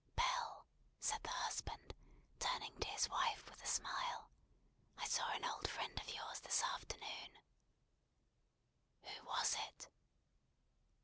"Belle," said the husband, turning to his wife with a smile, "I saw an old friend of yours this afternoon." "Who was it?"